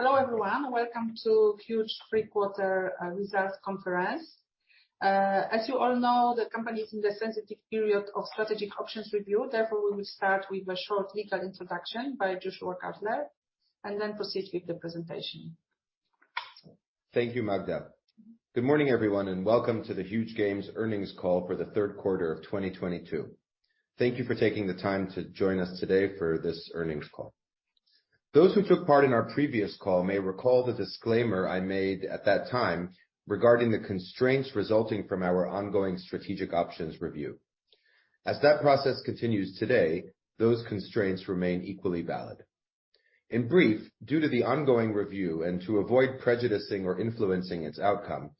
Hello everyone. Welcome to Huuuge third quarter results conference. As you all know, the company is in the sensitive period of strategic options review. Therefore, we will start with a short legal introduction by Joshua Kushner, and then proceed with the presentation. Thank you, Magda. Good morning, everyone, welcome to the Huuuge Games earnings call for the third quarter of 2022. Thank you for taking the time to join us today for this earnings call. Those who took part in our previous call may recall the disclaimer I made at that time regarding the constraints resulting from our ongoing strategic options review. As that process continues today, those constraints remain equally valid. In brief, due to the ongoing review and to avoid prejudicing or influencing its outcome,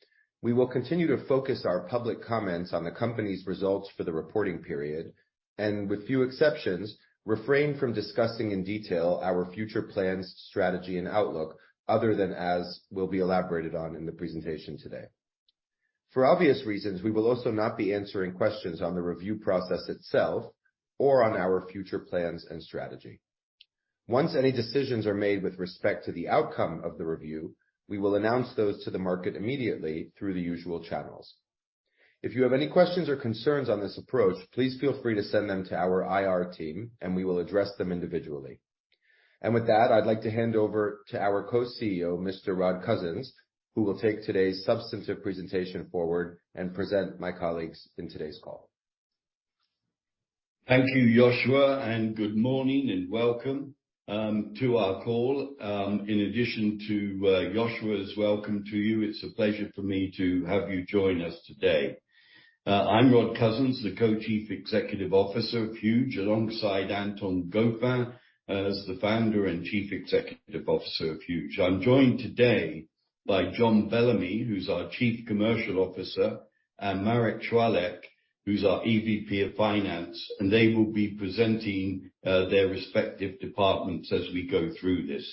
we will continue to focus our public comments on the company's results for the reporting period, and with few exceptions, refrain from discussing in detail our future plans, strategy, and outlook, other than as will be elaborated on in the presentation today. For obvious reasons, we will also not be answering questions on the review process itself or on our future plans and strategy. Once any decisions are made with respect to the outcome of the review, we will announce those to the market immediately through the usual channels. If you have any questions or concerns on this approach, please feel free to send them to our I.R. team, and we will address them individually. With that, I'd like to hand over to our Co-CEO, Mr. Rod Cousens, who will take today's substantive presentation forward and present my colleagues in today's call. Thank you, Joshua, good morning and welcome to our call. In addition to Joshua's welcome to you, it's a pleasure for me to have you join us today. I'm Rod Cousens, the Co-Chief Executive Officer of Huuuge, alongside Anton Gauffin as the Founder and Chief Executive Officer of Huuuge. I'm joined today by Jon Bellamy, who's our Chief Commercial Officer, and Marek Chwałek, who's our EVP of Finance. They will be presenting their respective departments as we go through this.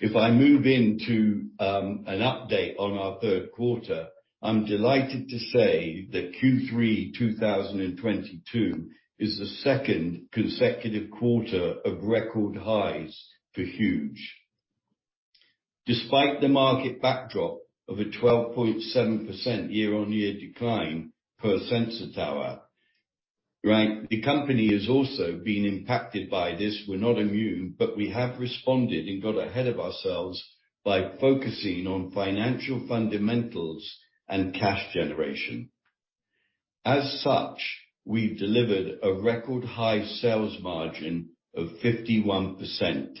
If I move into an update on our third quarter, I'm delighted to say that Q3 2022 is the second consecutive quarter of record highs for Huuuge. Despite the market backdrop of a 12.7% year-on-year decline per Sensor Tower, right? The company has also been impacted by this. We're not immune, but we have responded and got ahead of ourselves by focusing on financial fundamentals and cash generation. As such, we've delivered a record high sales margin of 51%.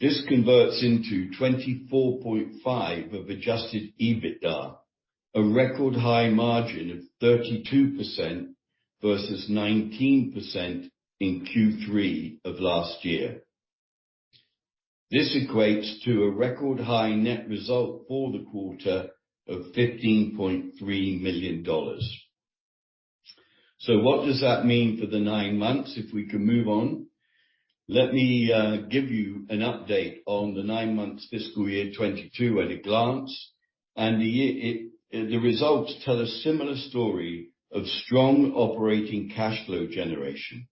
This converts into $24.5 of adjusted EBITDA, a record high margin of 32% versus 19% in Q3 of last year. This equates to a record high net result for the quarter of $15.3 million. What does that mean for the nine months, if we can move on? Let me give you an update on the nine months fiscal year 2022 at a glance, and the results tell a similar story of strong operating cash flow generation,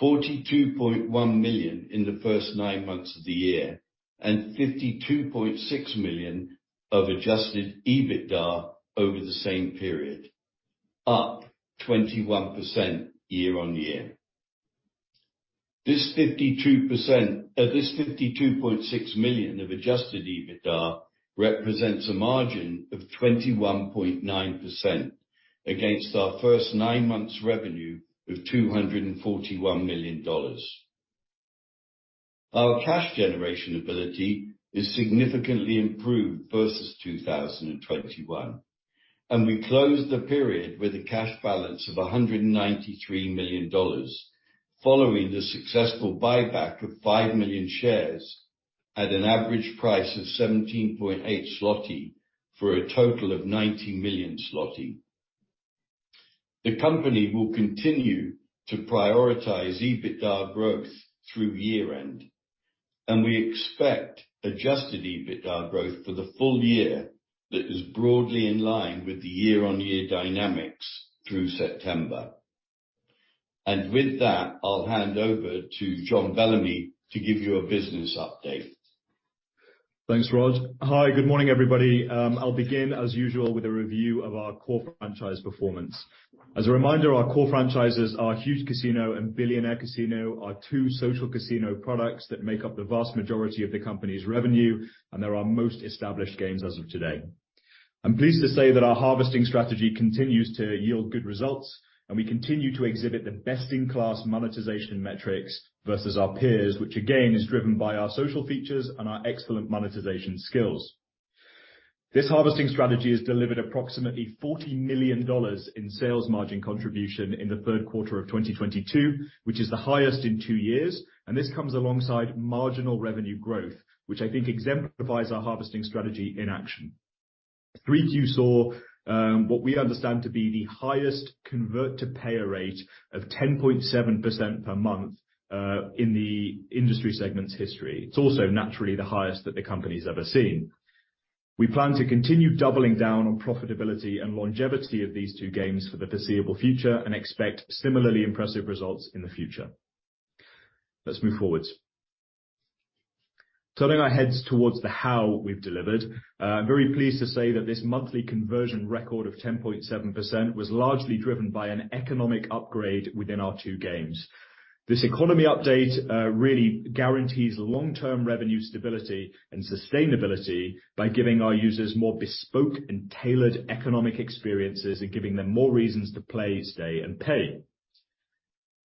$42.1 million in the first nine months of the year, and $52.6 million of adjusted EBITDA over the same period, up 21% year-on-year. This $52.6 million of adjusted EBITDA represents a margin of 21.9% against our first nine months revenue of $241 million. Our cash generation ability is significantly improved versus 2021. We closed the period with a cash balance of $193 million, following the successful buyback of 5 million shares at an average price of 17.8 zloty, for a total of 90 million zloty. The company will continue to prioritize EBITDA growth through year-end, and we expect adjusted EBITDA growth for the full year that is broadly in line with the year-on-year dynamics through September. With that, I'll hand over to Jon Bellamy to give you a business update. Thanks, Rod. Hi, good morning, everybody. I'll begin as usual with a review of our core franchise performance. As a reminder, our core franchises are Huuuge Casino and Billionaire Casino, our two social casino products that make up the vast majority of the company's revenue and are our most established games as of today. I'm pleased to say that our harvesting strategy continues to yield good results, and we continue to exhibit the best-in-class monetization metrics versus our peers, which again is driven by our social features and our excellent monetization skills. This harvesting strategy has delivered approximately $40 million in sales margin contribution in the third quarter of 2022, which is the highest in two years, this comes alongside marginal revenue growth, which I think exemplifies our harvesting strategy in action. 3Q saw what we understand to be the highest convert to payer rate of 10.7% per month in the industry segment's history. It's also naturally the highest that the company's ever seen. We plan to continue doubling down on profitability and longevity of these two games for the foreseeable future and expect similarly impressive results in the future. Let's move forward. Turning our heads towards the how we've delivered, I'm very pleased to say that this monthly conversion record of 10.7% was largely driven by an economic upgrade within our two games. This economy update really guarantees long-term revenue stability and sustainability by giving our users more bespoke and tailored economic experiences and giving them more reasons to play, stay, and pay.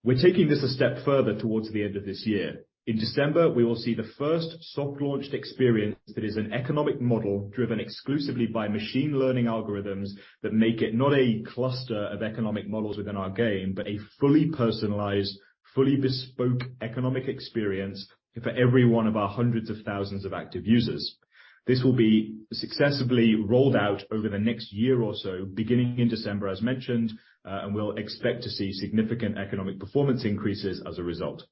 We're taking this a step further towards the end of this year. In December, we will see the first soft-launched experience that is an economic model driven exclusively by machine learning algorithms that make it not a cluster of economic models within our game, but a fully personalized, fully bespoke economic experience for every one of our hundreds of thousands of active users. This will be successfully rolled out over the next year or so, beginning in December, as mentioned. We'll expect to see significant economic performance increases as a result.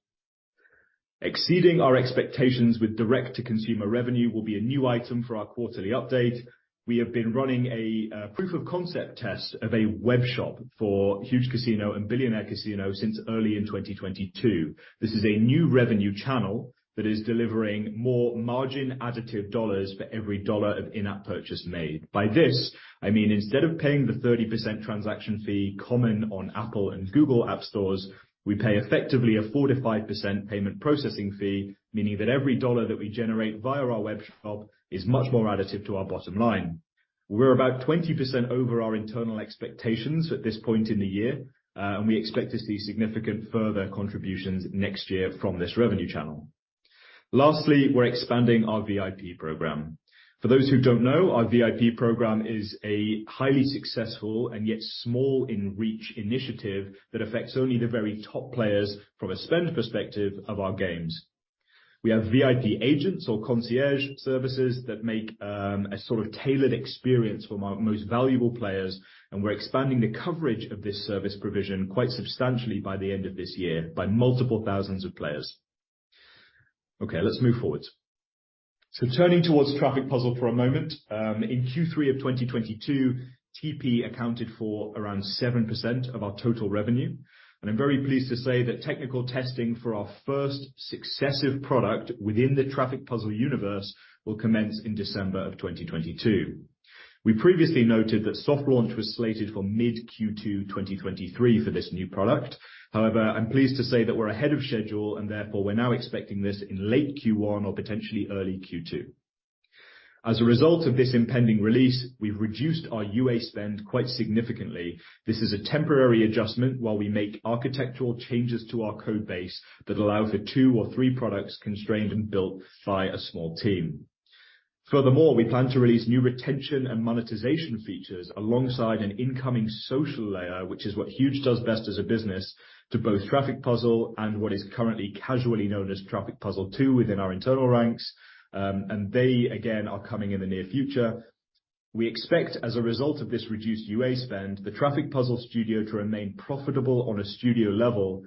Exceeding our expectations with direct-to-consumer revenue will be a new item for our quarterly update. We have been running a proof-of-concept test of a webshop for Huuuge Casino and Billionaire Casino since early in 2022. This is a new revenue channel that is delivering more margin additive dollars for every dollar of in-app purchase made. By this, I mean, instead of paying the 30% transaction fee common on Apple and Google App Stores, we pay effectively a 45% payment processing fee, meaning that every dollar that we generate via our webshop is much more additive to our bottom line. We're about 20% over our internal expectations at this point in the year, and we expect to see significant further contributions next year from this revenue channel. Lastly, we're expanding our VIP program. For those who don't know, our VIP program is a highly successful and yet small in reach initiative that affects only the very top players from a spend perspective of our games. We have VIP agents or concierge services that make a sort of tailored experience for our most valuable players, and we're expanding the coverage of this service provision quite substantially by the end of this year by multiple thousands of players. Okay, let's move forward. Turning towards Traffic Puzzle for a moment, in Q3 of 2022, TP accounted for around 7% of our total revenue, and I'm very pleased to say that technical testing for our first successive product within the Traffic Puzzle universe will commence in December of 2022. We previously noted that soft launch was slated for mid-Q2 2023 for this new product. However, I'm pleased to say that we're ahead of schedule, and therefore, we're now expecting this in late Q1 or potentially early Q2. As a result of this impending release, we've reduced our UA spend quite significantly. This is a temporary adjustment while we make architectural changes to our code base that allow for two or three products constrained and built by a small team. We plan to release new retention and monetization features alongside an incoming social layer, which is what Huuuge does best as a business to both Traffic Puzzle and what is currently casually known as Traffic Puzzle 2 within our internal ranks. They, again, are coming in the near future. We expect, as a result of this reduced UA spend, the Traffic Puzzle studio to remain profitable on a studio level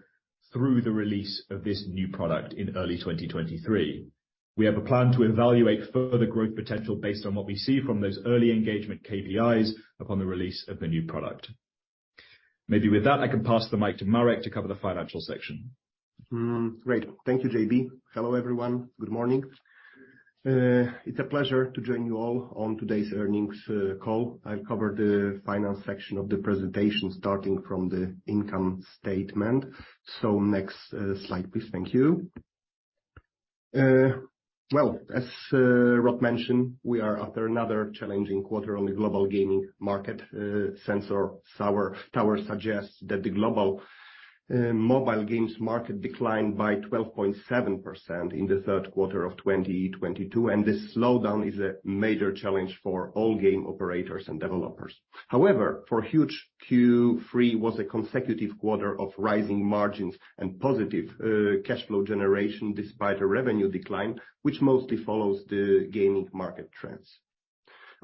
through the release of this new product in early 2023. We have a plan to evaluate further growth potential based on what we see from those early engagement KPIs upon the release of the new product. Maybe with that, I can pass the mic to Marek to cover the financial section. Great. Thank you, J.B. Hello, everyone. Good morning. It's a pleasure to join you all on today's earnings call. I'll cover the finance section of the presentation, starting from the income statement. Next slide, please. Thank you. Well, as Rod mentioned, we are after another challenging quarter on the global gaming market. Sensor Tower suggests that the global mobile games market declined by 12.7% in the third quarter of 2022. This slowdown is a major challenge for all game operators and developers. However, for Huuuge, Q3 was a consecutive quarter of rising margins and positive cash flow generation despite a revenue decline, which mostly follows the gaming market trends.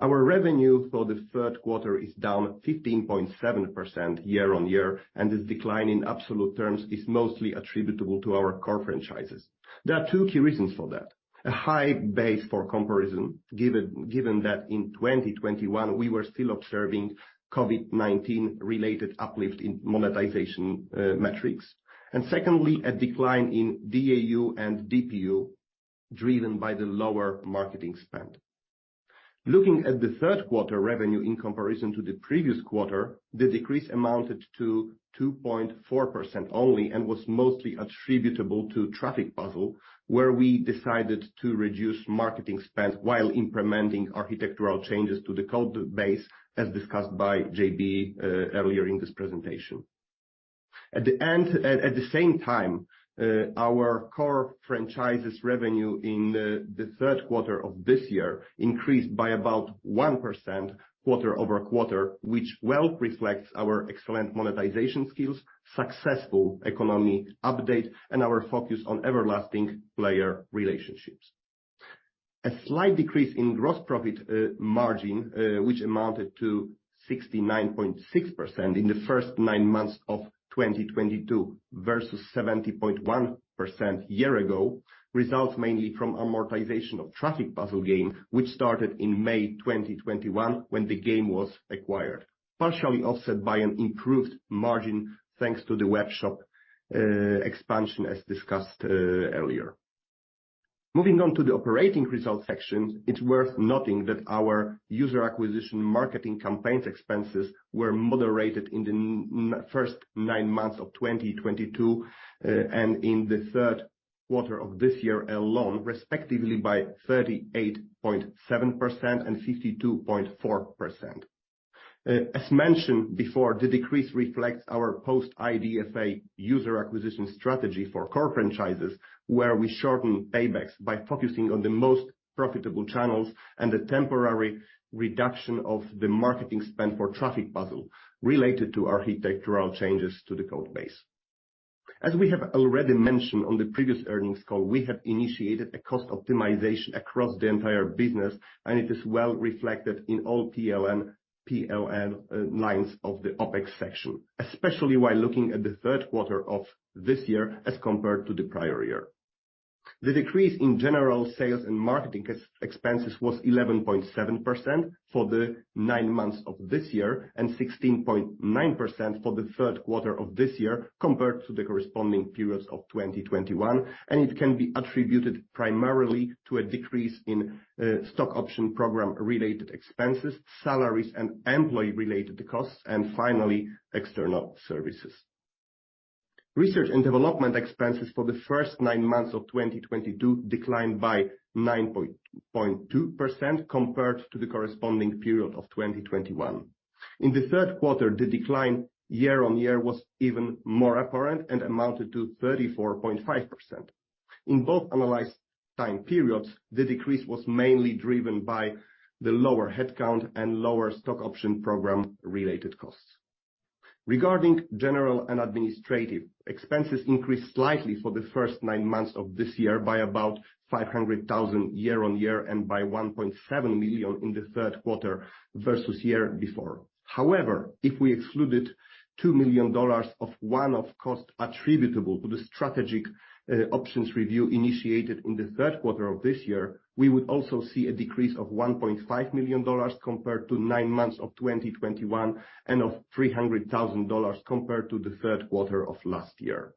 Our revenue for the third quarter is down 15.7% year-on-year. This decline in absolute terms is mostly attributable to our core franchises. There are two key reasons for that. A high base for comparison, given that in 2021 we were still observing COVID-19 related uplift in monetization metrics. Secondly, a decline in DAU and DPU driven by the lower marketing spend. Looking at the third quarter revenue in comparison to the previous quarter, the decrease amounted to 2.4% only and was mostly attributable to Traffic Puzzle, where we decided to reduce marketing spend while implementing architectural changes to the code base as discussed by J.B. earlier in this presentation. At the same time, our core franchises revenue in the third quarter of this year increased by about 1% quarter-over-quarter, which well reflects our excellent monetization skills, successful economy update, and our focus on everlasting player relationships. A slight decrease in gross profit margin, which amounted to 69.6% in the first nine months of 2022 versus 70.1% year ago, results mainly from amortization of Traffic Puzzle Game, which started in May 2021 when the game was acquired. Partially offset by an improved margin, thanks to the webshop expansion as discussed earlier. Moving on to the operating results section, it's worth noting that our user acquisition marketing campaigns expenses were moderated in the first nine months of 2022 and in the third quarter of this year alone, respectively by 38.7% and 52.4%. As mentioned before, the decrease reflects our post IDFA user acquisition strategy for core franchises, where we shorten paybacks by focusing on the most profitable channels and the temporary reduction of the marketing spend for Traffic Puzzle related to architectural changes to the code base. As we have already mentioned on the previous earnings call, we have initiated a cost optimization across the entire business, and it is well reflected in all PL and PLM lines of the OpEx section, especially while looking at the third quarter of this year as compared to the prior year. The decrease in general sales and marketing expenses was 11.7% for the nine months of this year and 16.9% for the third quarter of this year compared to the corresponding periods of 2021, and it can be attributed primarily to a decrease in stock option program related expenses, salaries and employee related costs, and finally, external services. Research and development expenses for the first nine months of 2022 declined by 9.2% compared to the corresponding period of 2021. In the third quarter, the decline year on year was even more apparent and amounted to 34.5%. In both analyzed time periods, the decrease was mainly driven by the lower headcount and lower stock option program related costs. Regarding general and administrative, expenses increased slightly for the first nine months of this year by about $500,000 year-on-year and by $1.7 million in the third quarter versus year before. If we excluded $2 million of one-off costs attributable to the strategic options review initiated in the third quarter of this year, we would also see a decrease of $1.5 million compared to nine months of 2021 and of $300,000 compared to the third quarter of last year.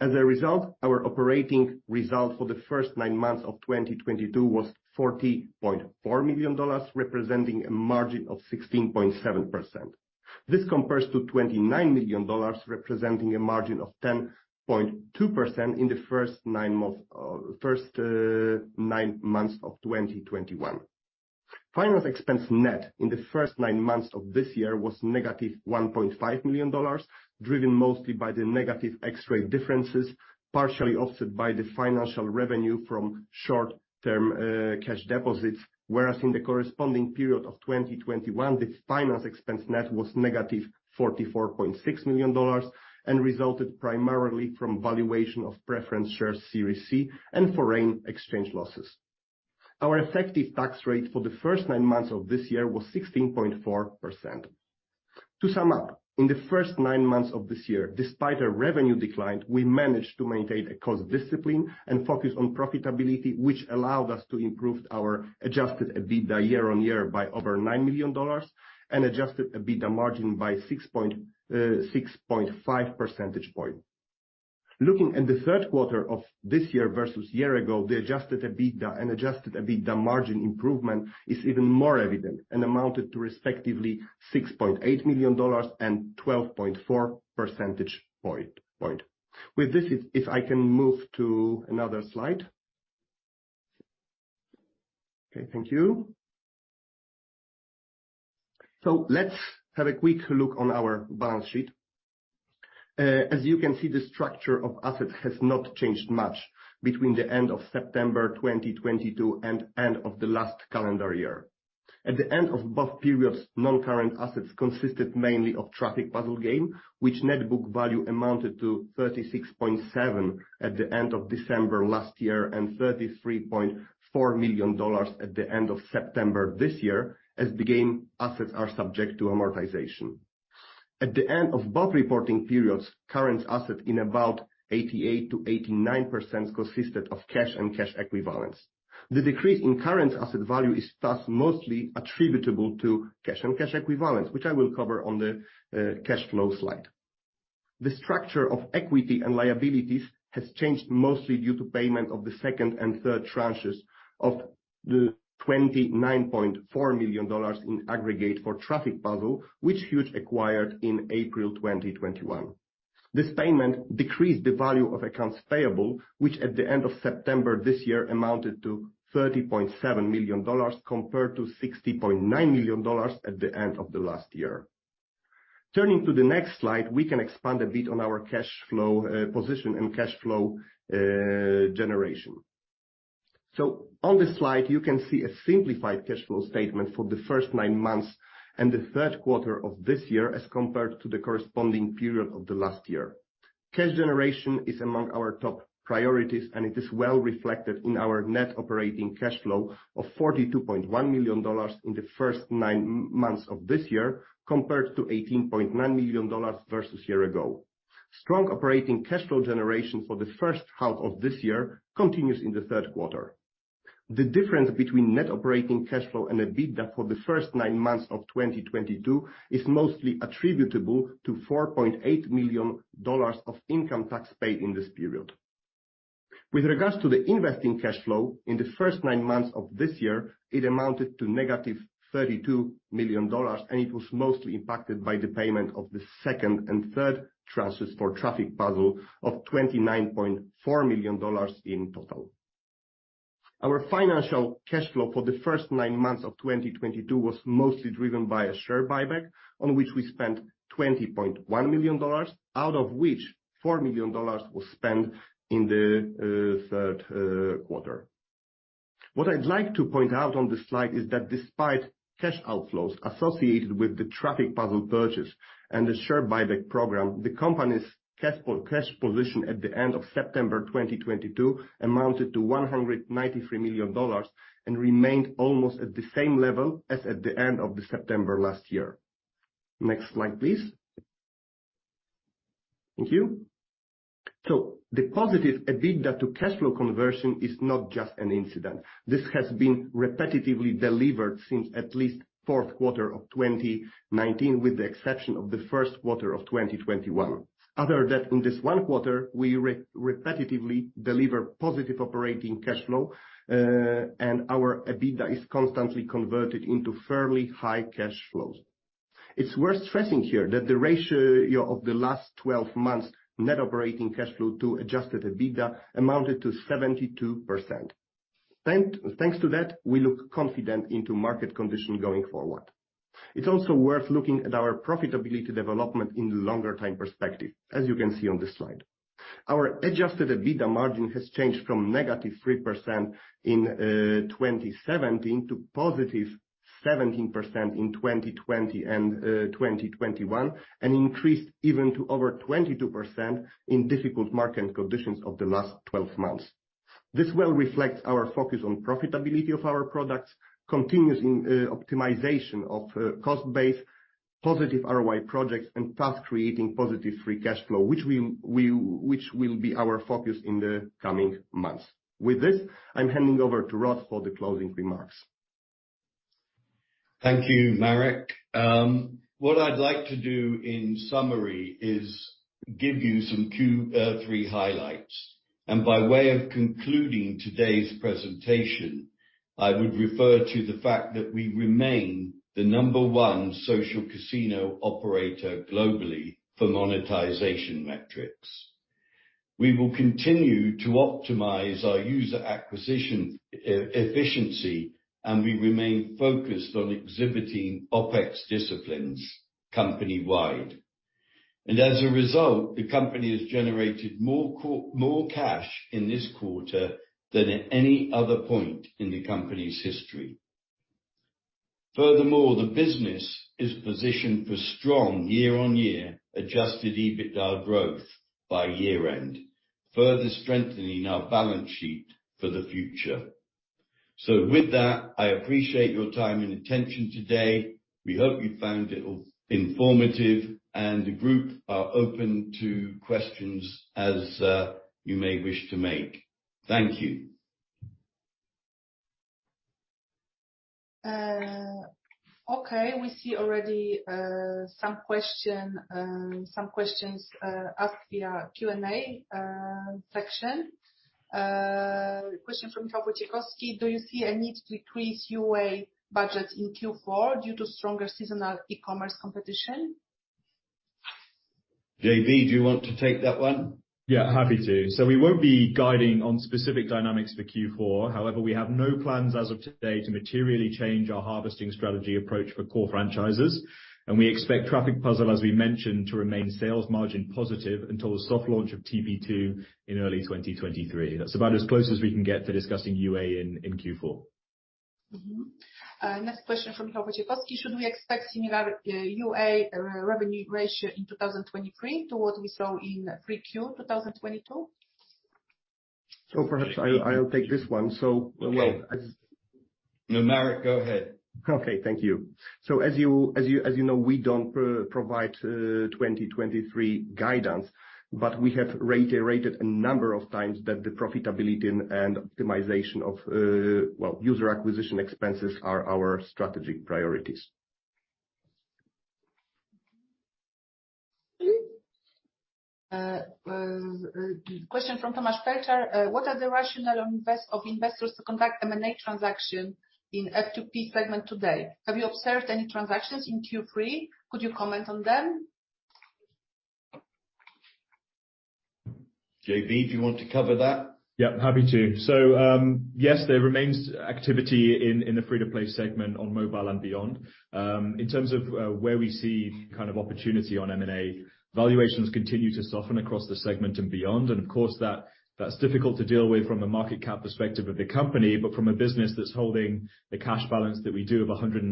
As a result, our operating results for the first nine months of 2022 was $40.4 million, representing a margin of 16.7%. This compares to $29 million, representing a margin of 10.2% in the first nine months of 2021. Finance expense net in the first nine months of this year was negative $1.5 million, driven mostly by the negative FX differences, partially offset by the financial revenue from short-term cash deposits, whereas in the corresponding period of 2021, the finance expense net was negative $44.6 million and resulted primarily from valuation of preference shares Series C and foreign exchange losses. Our effective tax rate for the first nine months of this year was 16.4%. To sum up, in the first nine months of this year, despite a revenue decline, we managed to maintain a cost discipline and focus on profitability, which allowed us to improve our adjusted EBITDA year-on-year by over $9 million and adjusted EBITDA margin by 6.5 percentage point. Looking at the third quarter of this year versus year ago, the adjusted EBITDA and adjusted EBITDA margin improvement is even more evident and amounted to respectively $6.8 million and 12.4 percentage points. With this, if I can move to another slide. Okay, thank you. Let's have a quick look on our balance sheet. As you can see, the structure of assets has not changed much between the end of September 2022 and end of the last calendar year. At the end of both periods, non-current assets consisted mainly of Traffic Puzzle Game, which net book value amounted to $36.7 million at the end of December last year and $33.4 million at the end of September this year, as the game assets are subject to amortization. At the end of both reporting periods, current assets in about 88%-89% consisted of cash and cash equivalents. The decrease in current asset value is thus mostly attributable to cash and cash equivalents, which I will cover on the cash flow slide. The structure of equity and liabilities has changed mostly due to payment of the second and third tranches of the $29.4 million in aggregate for Traffic Puzzle, which Huuuge acquired in April 2021. This payment decreased the value of accounts payable, which at the end of September this year amounted to $30.7 million compared to $60.9 million at the end of the last year. Turning to the next slide, we can expand a bit on our cash flow position and cash flow generation. On this slide, you can see a simplified cash flow statement for the first nine months and the third quarter of this year as compared to the corresponding period of the last year. Cash generation is among our top priorities, and it is well reflected in our net operating cash flow of $42.1 million in the first nine months of this year compared to $18.9 million versus year ago. Strong operating cash flow generation for the first half of this year continues in the third quarter. The difference between net operating cash flow and EBITDA for the first nine months of 2022 is mostly attributable to $4.8 million of income tax paid in this period. With regards to the investing cash flow in the first nine months of this year, it amounted to negative $32 million. It was mostly impacted by the payment of the second and third transfers for Traffic Puzzle of $29.4 million in total. Our financial cash flow for the first nine months of 2022 was mostly driven by a share buyback, on which we spent $20.1 million, out of which $4 million was spent in the third quarter. What I'd like to point out on this slide is that despite cash outflows associated with the Traffic Puzzle purchase and the share buyback program, the company's cash position at the end of September 2022 amounted to $193 million and remained almost at the same level as at the end of the September last year. Next slide, please. Thank you. The positive EBITDA to cash flow conversion is not just an incident. This has been repetitively delivered since at least fourth quarter of 2019, with the exception of the first quarter of 2021. Other than that, in this one quarter, we repetitively deliver positive operating cash flow, and our EBITDA is constantly converted into fairly high cash flows. It's worth stressing here that the ratio of the last 12 months net operating cash flow to adjusted EBITDA amounted to 72%. Thanks to that, we look confident into market conditions going forward. It's also worth looking at our profitability development in the longer time perspective, as you can see on this slide. Our adjusted EBITDA margin has changed from negative 3% in 2017 to positive 17% in 2020 and 2021, and increased even to over 22% in difficult market conditions of the last 12 months. This well reflects our focus on profitability of our products, continuous optimization of cost-based positive ROI projects, and thus creating positive free cash flow, which will be our focus in the coming months. With this, I'm handing over to Rod for the closing remarks. Thank you, Marek. What I'd like to do in summary is give you some key, three highlights. By way of concluding today's presentation, I would refer to the fact that we remain the number one social casino operator globally for monetization metrics. We will continue to optimize our user acquisition e-efficiency, and we remain focused on exhibiting OpEx disciplines company-wide. As a result, the company has generated more cash in this quarter than at any other point in the company's history. Furthermore, the business is positioned for strong year-on-year adjusted EBITDA growth by year-end, further strengthening our balance sheet for the future. With that, I appreciate your time and attention today. We hope you found it informative, and the group are open to questions as you may wish to make. Thank you. Okay, we see already some question, some questions asked via Q&A section. Question from Piotr Łopaciuk. Do you see a need to increase UA budget in Q4 due to stronger seasonal e-commerce competition? J.B, do you want to take that one? Yeah, happy to. We won't be guiding on specific dynamics for Q4. However, we have no plans as of today to materially change our harvesting strategy approach for core franchises. We expect Traffic Puzzle, as we mentioned, to remain sales margin positive until the soft launch of TP2 in early 2023. That's about as close as we can get to discussing UA in Q4. Next question from Piotr Łopaciuk. Should we expect similar UA revenue ratio in 2023 to what we saw in 3Q 2022? Perhaps I'll take this one. Well. No, Marek, go ahead. Okay, thank you. As you know, we don't provide 2023 guidance, but we have reiterated a number of times that the profitability and optimization of, well, user acquisition expenses are our strategic priorities. Question from Thomas Felcher. What are the rationale of investors to conduct M&A transaction in F2P segment today? Have you observed any transactions in Q3? Could you comment on them? J.B., do you want to cover that? Yeah, happy to. Yes, there remains activity in the free-to-play segment on mobile and beyond. In terms of where we see kind of opportunity on M&A, valuations continue to soften across the segment and beyond. Of course, that's difficult to deal with from a market cap perspective of the company. From a business that's holding the cash balance that we do of $193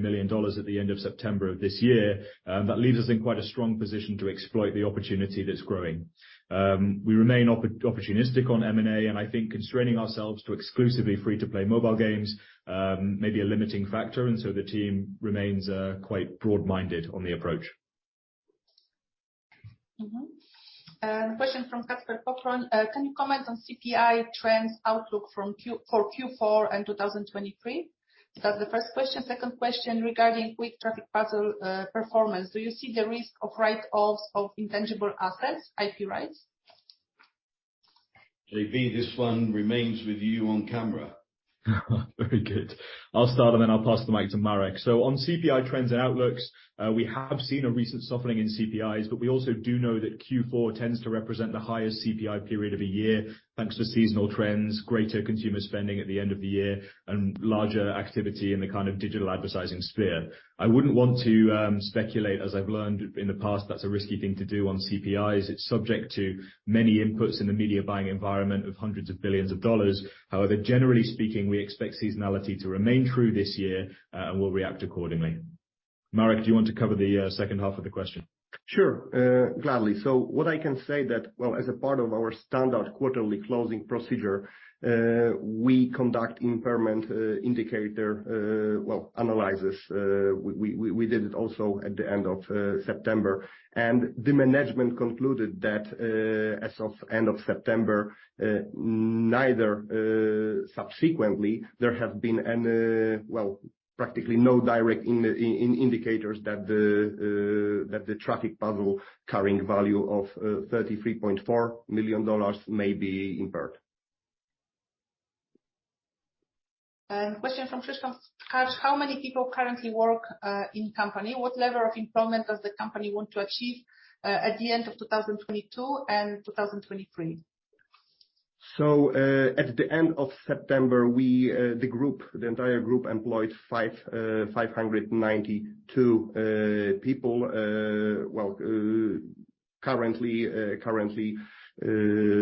million at the end of September of this year, that leaves us in quite a strong position to exploit the opportunity that's growing. We remain opportunistic on M&A, and I think constraining ourselves to exclusively free-to-play mobile games, may be a limiting factor. The team remains quite broad-minded on the approach. Question from Kacper Popławski. Can you comment on CPI trends outlook for Q4 and 2023? That's the first question. Second question regarding Traffic Puzzle performance. Do you see the risk of write-offs of intangible assets, IP rights? J.B., this one remains with you on camera. Very good. I'll start them and I'll pass the mic to Marek. On CPI trends and outlooks, we have seen a recent softening in CPIs, but we also do know that Q four tends to represent the highest CPI period of the year, thanks to seasonal trends, greater consumer spending at the end of the year, and larger activity in the kind of digital advertising sphere. I wouldn't want to speculate, as I've learned in the past, that's a risky thing to do on CPIs. It's subject to many inputs in the media buying environment of $hundreds of billions. Generally speaking, we expect seasonality to remain true this year, and we'll react accordingly. Marek, do you want to cover the second half of the question? Sure, gladly. What I can say that, as a part of our standard quarterly closing procedure, we conduct impairment indicator analysis. We did it also at the end of September. The management concluded that, as of end of September, neither subsequently there have been practically no direct indicators that the Traffic Puzzle carrying value of $33.4 million may be impaired. Question from Tristan Kęsz. How many people currently work in company? What level of employment does the company want to achieve at the end of 2022 and 2023? At the end of September, we, the group, the entire group employed 592 people. Well, currently,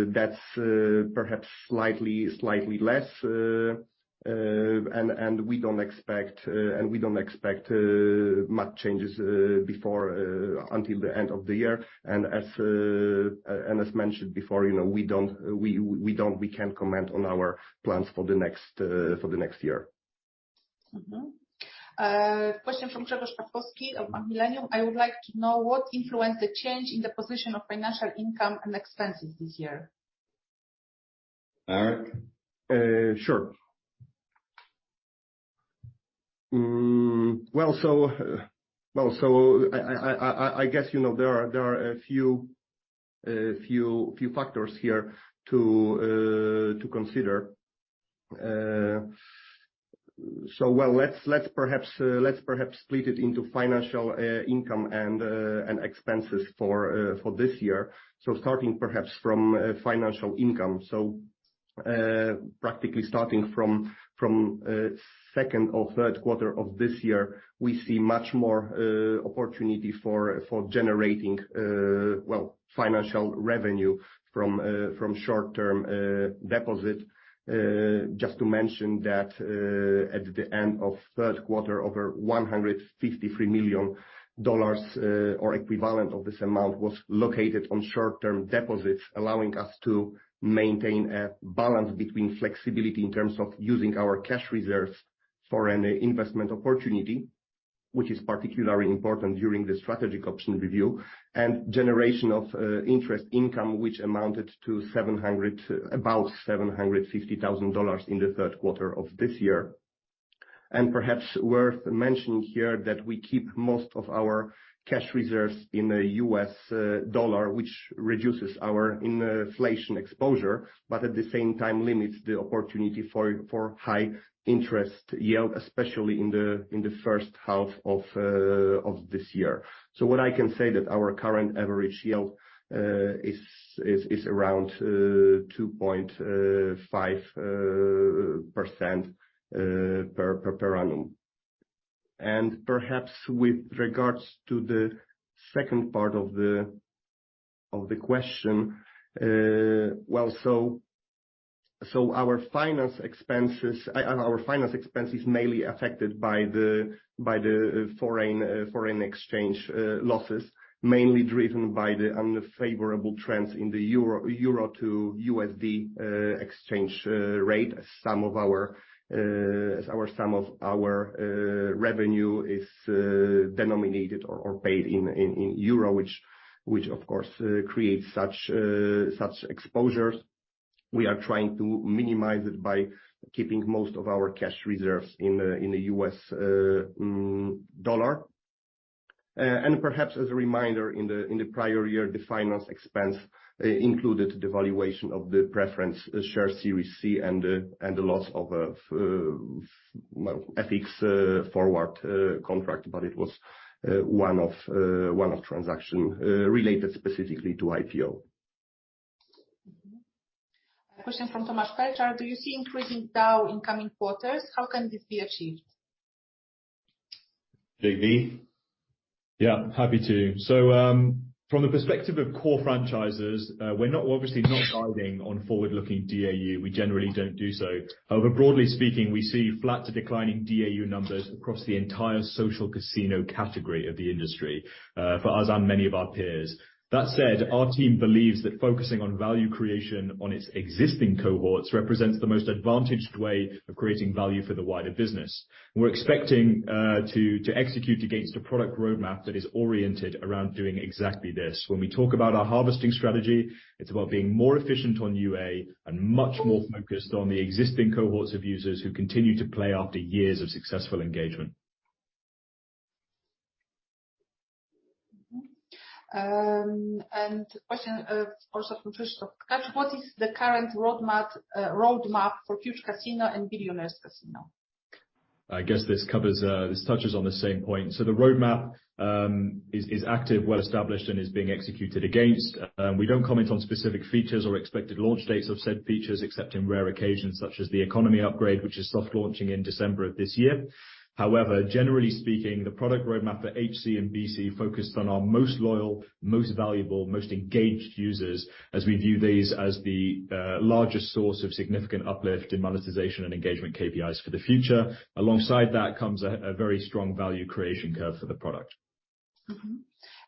that's perhaps slightly less. We don't expect much changes before until the end of the year. As mentioned before, you know, we can't comment on our plans for the next year. Question from Joseph Papowski of Millennium. I would like to know what influenced the change in the position of financial income and expenses this year. Marek? Sure. Well, so I guess, you know, there are a few factors here to consider. Well, let's perhaps split it into financial income and expenses for this year. Starting perhaps from financial income. Practically starting from second or third quarter of this year, we see much more opportunity for generating well, financial revenue from short-term deposit. Just to mention that, at the end of third quarter, over $153 million, or equivalent of this amount was located on short-term deposits, allowing us to maintain a balance between flexibility in terms of using our cash reserves for any investment opportunity, which is particularly important during the strategic option review, and generation of interest income, which amounted to $750,000 in the third quarter of this year. Perhaps worth mentioning here that we keep most of our cash reserves in the U.S. dollar, which reduces our inflation exposure, but at the same time limits the opportunity for high interest yield, especially in the first half of this year. What I can say that our current average yield is around 2.5% per annum. Perhaps with regards to the second part of the question, well, so our finance expense is mainly affected by the foreign exchange losses, mainly driven by the unfavorable trends in the Euro to USD exchange rate. Some of our revenue is denominated or paid in Euro, which of course creates such exposures. We are trying to minimize it by keeping most of our cash reserves in the U.S. dollar. Perhaps as a reminder, in the prior year, the finance expense included the valuation of the preference share Series C and the loss of FX forward contract, but it was one of transaction related specifically to IPO. Mm-hmm. A question from Thomas Felcher. Do you see increasing DAU in coming quarters? How can this be achieved? J.B.? Yeah, happy to. From the perspective of core franchises, we're not, obviously, not guiding on forward-looking DAU. We generally don't do so. Broadly speaking, we see flat to declining DAU numbers across the entire social casino category of the industry, for us and many of our peers. Our team believes that focusing on value creation on its existing cohorts represents the most advantaged way of creating value for the wider business. We're expecting to execute against a product roadmap that is oriented around doing exactly this. We talk about our harvesting strategy, it's about being more efficient on UA and much more focused on the existing cohorts of users who continue to play after years of successful engagement. Question, also from Krzysztof Tkacz. What is the current roadmap for Huuuge Casino and Billionaire Casino? I guess this covers, this touches on the same point. The roadmap is active, well-established, and is being executed against. We don't comment on specific features or expected launch dates of said features, except in rare occasions such as the economy upgrade, which is soft launching in December of this year. Generally speaking, the product roadmap for HC and BC focused on our most loyal, most valuable, most engaged users as we view these as the largest source of significant uplift in monetization and engagement KPIs for the future. Alongside that comes a very strong value creation curve for the product.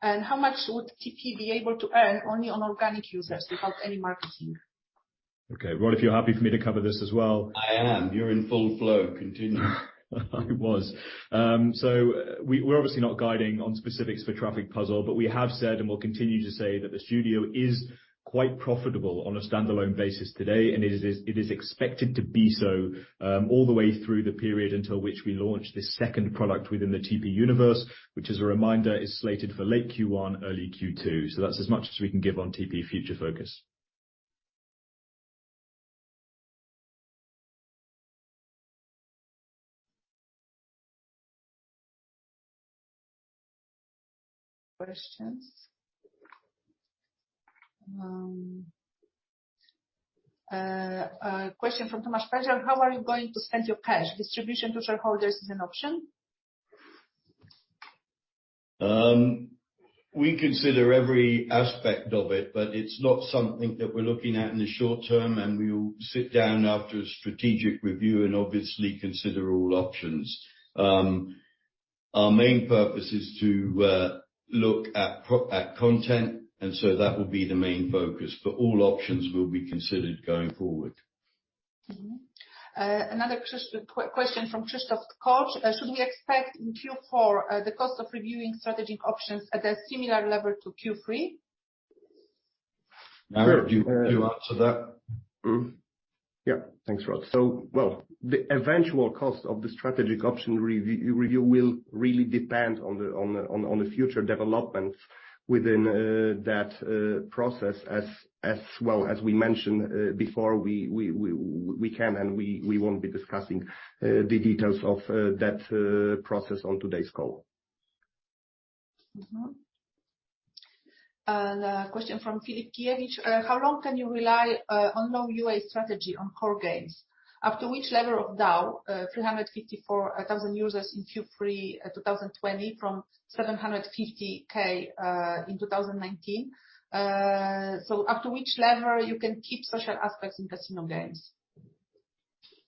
How much would TP be able to earn only on organic users without any marketing? Okay. Rod, if you're happy for me to cover this as well. I am. You're in full flow. Continue. I was. We're obviously not guiding on specifics for Traffic Puzzle, but we have said, and we'll continue to say that the studio is quite profitable on a standalone basis today, and it is expected to be so, all the way through the period until which we launch this second product within the TP universe, which as a reminder, is slated for late Q1, early Q2. That's as much as we can give on TP future focus. Questions. A question from Thomas Felcher. How are you going to spend your cash? Distribution to shareholders is an option. We consider every aspect of it, but it's not something that we're looking at in the short term, and we'll sit down after a strategic review and obviously consider all options. Our main purpose is to look at content, and so that will be the main focus, but all options will be considered going forward. Another question from Krzysztof Kaczmarczyk. Should we expect in Q4 the cost of reviewing strategic options at a similar level to Q3? Marek, do you answer that? Yeah. Thanks, Rod. Well, the eventual cost of the strategic option review will really depend on the future developments within that process. As well as we mentioned before, we can and we won't be discussing the details of that process on today's call. A question from Filip Kaczmarzyk. How long can you rely on low UA strategy on core games? After which level of DAU, 354,000 users in Q3 2020 from 750K in 2019. After which level you can keep social aspects in casino games?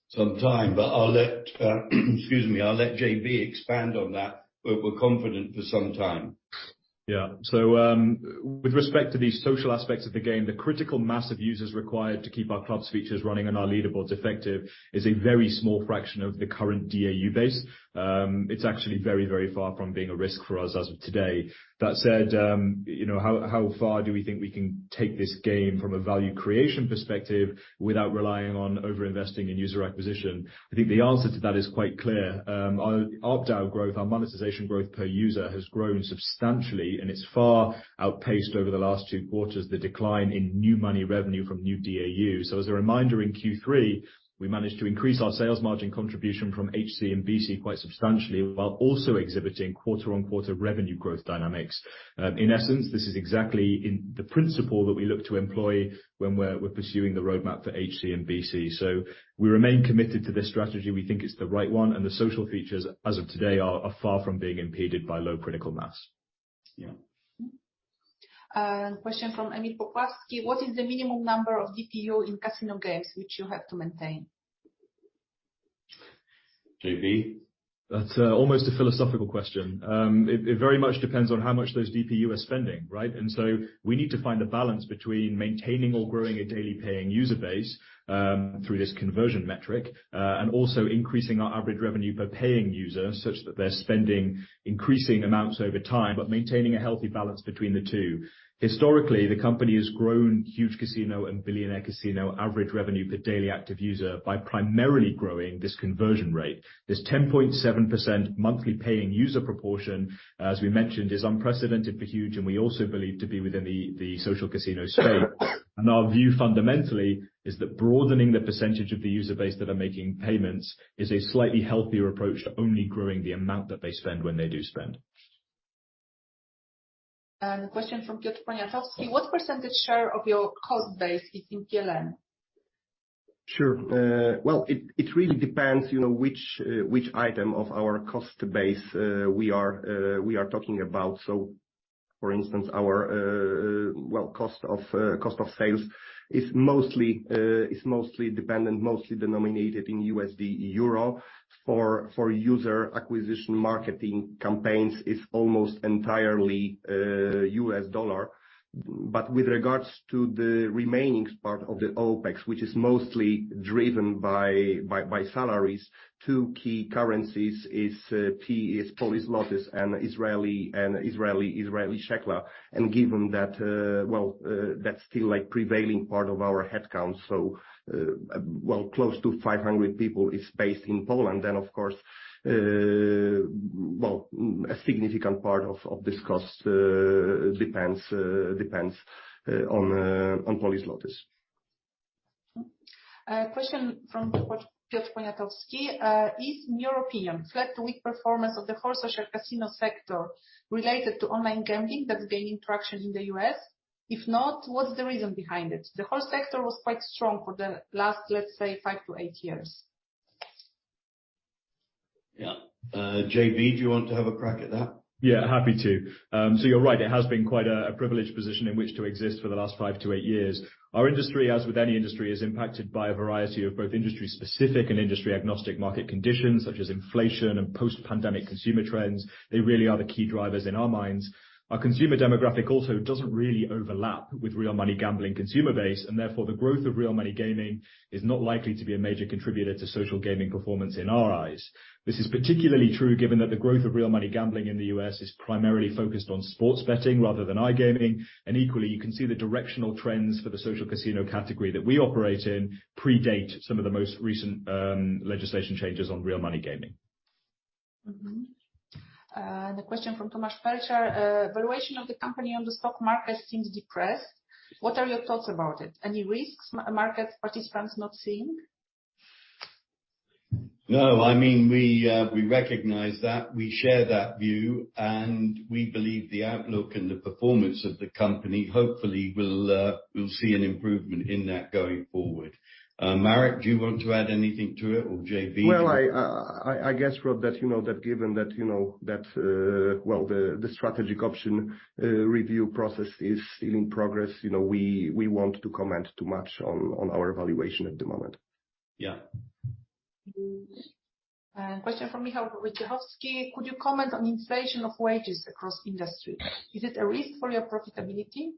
Some time, but I'll let, excuse me, I'll let J.B. expand on that. We're confident for some time. With respect to the social aspects of the game, the critical mass of users required to keep our clubs features running and our leaderboards effective is a very small fraction of the current DAU base. It's actually very, very far from being a risk for us as of today. That said, you know, how far do we think we can take this game from a value creation perspective without relying on over-investing in user acquisition? I think the answer to that is quite clear. Our DAU growth, our monetization growth per user has grown substantially, and it's far outpaced over the last two quarters the decline in new money revenue from new DAU. As a reminder, in Q3, we managed to increase our sales margin contribution from HC and BC quite substantially, while also exhibiting quarter-on-quarter revenue growth dynamics. In essence, this is exactly in the principle that we look to employ when we're pursuing the roadmap for HC and BC. We remain committed to this strategy. We think it's the right one. The social features as of today are far from being impeded by low critical mass. Yeah. Question from Emil Popławski. What is the minimum number of DPU in casino games which you have to maintain? J.B. That's almost a philosophical question. It very much depends on how much those DPU are spending, right? We need to find a balance between maintaining or growing a daily paying user base through this conversion metric and also increasing our average revenue per paying user such that they're spending increasing amounts over time, but maintaining a healthy balance between the two. Historically, the company has grown Huuuge Casino and Billionaire Casino average revenue per daily active user by primarily growing this conversion rate. This 10.7% monthly paying user proportion, as we mentioned, is unprecedented for Huuuge, and we also believe to be within the social casino space. Our view fundamentally is that broadening the percentage of the user base that are making payments is a slightly healthier approach to only growing the amount that they spend when they do spend. Question from Piotr Poniatowski. What % share of your cost base is in PLN? Sure. Well, it really depends, you know, which item of our cost base we are talking about. For instance, our well, cost of sales is mostly is mostly dependent, mostly denominated in USD, EUR. For user acquisition marketing campaigns, it's almost entirely U.S. dollar. With regards to the remaining part of the OpEx, which is mostly driven by salaries, two key currencies is Polish zlotys, and Israeli shekel. Given that well, that's still like prevailing part of our headcount, so well, close to 500 people is based in Poland, of course, well, a significant part of this cost depends on Polish zlotys. Question from Piotr Poniatowski. In your opinion, flat to weak performance of the whole social casino sector related to online gambling that's gaining traction in the U.S.? If not, what's the reason behind it? The whole sector was quite strong for the last, let's say, five to eight years. Yeah. J.B., do you want to have a crack at that? Yeah, happy to. You're right. It has been quite a privileged position in which to exist for the last five to eight years. Our industry, as with any industry, is impacted by a variety of both industry-specific and industry-agnostic market conditions, such as inflation and post-pandemic consumer trends. They really are the key drivers in our minds. Our consumer demographic also doesn't really overlap with real money gambling consumer base, and therefore, the growth of real money gaming is not likely to be a major contributor to social gaming performance in our eyes. This is particularly true given that the growth of real money gambling in the U.S. is primarily focused on sports betting rather than iGaming. Equally, you can see the directional trends for the social casino category that we operate in predate some of the most recent legislation changes on real money gaming. The question from Tomasz Felczer. Valuation of the company on the stock market seems depressed. What are your thoughts about it? Any risks market participants not seeing? No, I mean, we recognize that. We share that view, we believe the outlook and the performance of the company hopefully will see an improvement in that going forward. Marek, do you want to add anything to it or J.B.? Well, I guess, Rod, that, you know, given that, you know that, well, the strategic option review process is in progress, you know, we won't to comment too much on our valuation at the moment. Yeah. Question from Michał Ryczkowski. Could you comment on inflation of wages across industry? Is it a risk for your profitability?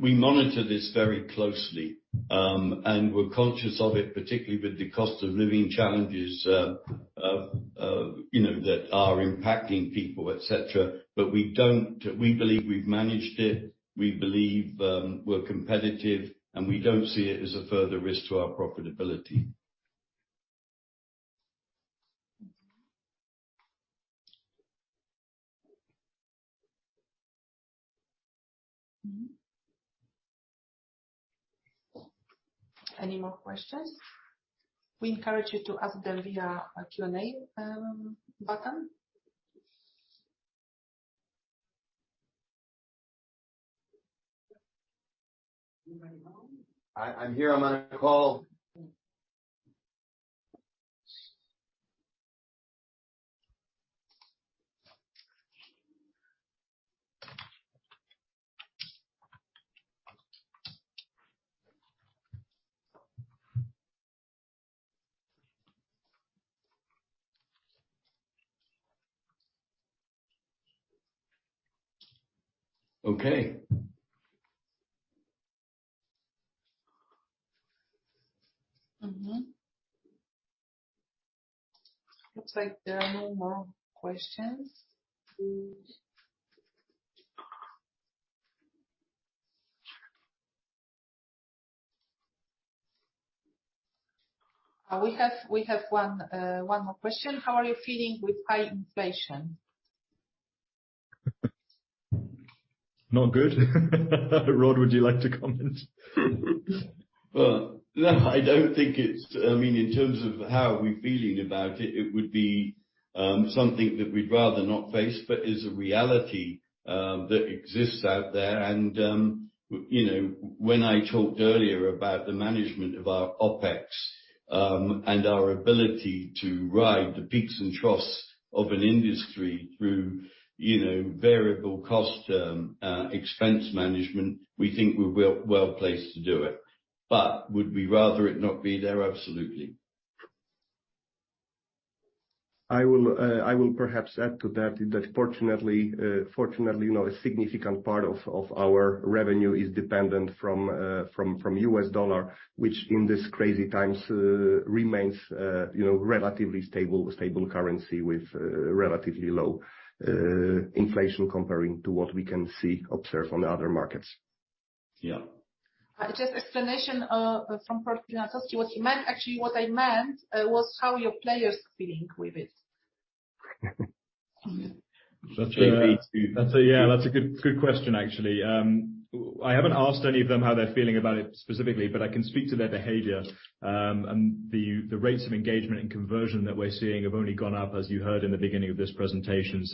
We monitor this very closely. We're conscious of it, particularly with the cost of living challenges, you know, that are impacting people, et cetera. We believe we've managed it. We believe, we're competitive, and we don't see it as a further risk to our profitability. Any more questions? We encourage you to ask them via our Q&A button. Anybody know? I'm here on the call. Okay. Looks like there are no more questions. We have one more question. How are you feeling with high inflation? Not good. Rod, would you like to comment? Well, no, I mean, in terms of how we're feeling about it would be, something that we'd rather not face, but is a reality that exists out there. You know, when I talked earlier about the management of our OPEX, and our ability to ride the peaks and troughs of an industry through, you know, variable cost, expense management, we think we're well-placed to do it. Would we rather it not be there? Absolutely. I will perhaps add to that fortunately, you know, a significant part of our revenue is dependent from U.S. dollar, which in this crazy times, remains, you know, relatively stable currency with relatively low inflation comparing to what we can see, observe on other markets. Yeah. Just explanation, from Piotr Poniatowski. What he meant, actually what I meant, was how your players feeling with it. That's a. J.B. That's a good question actually. I haven't asked any of them how they're feeling about it specifically, but I can speak to their behavior. The rates of engagement and conversion that we're seeing have only gone up, as you heard in the beginning of this presentation.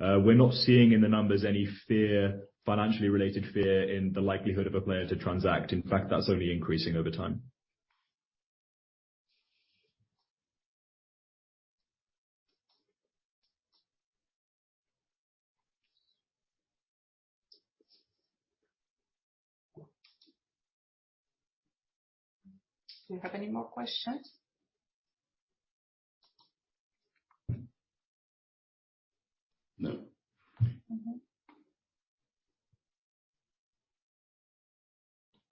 We're not seeing in the numbers any fear, financially related fear in the likelihood of a player to transact. In fact, that's only increasing over time. Do you have any more questions? No.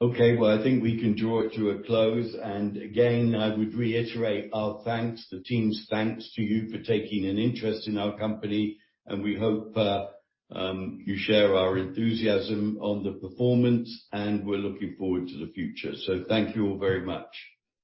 Mm-hmm. Okay. Well, I think we can draw it to a close. Again, I would reiterate our thanks, the team's thanks to you for taking an interest in our company, and we hope you share our enthusiasm on the performance, and we're looking forward to the future. Thank you all very much.